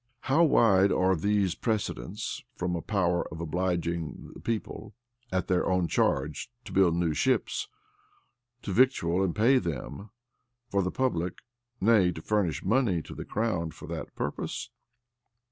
How wide are these precedents from a power of obliging the people, at their own charge, to build new ships, to victual and pay them, for the public; nay, to furnish money to the crown for that purpose?